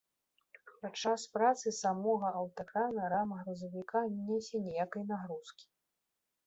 Падчас працы самога аўтакрана рама грузавіка не нясе ніякай нагрузкі.